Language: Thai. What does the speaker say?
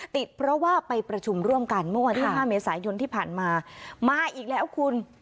ติดเพราะว่าไปประชุมร่วมกันเมื่อวันที่๕เมษายนที่ผ่านมามาอีกแล้วคุณ